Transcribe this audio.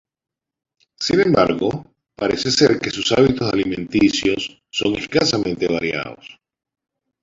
Sin embargo, parece ser que sus hábitos alimenticios son escasamente variados.